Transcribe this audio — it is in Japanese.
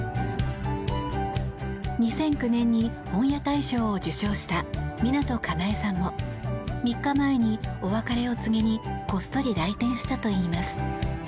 ２００９年に本屋大賞を受賞した湊かなえさんも３日前にお別れを告げにこっそり来店したといいます。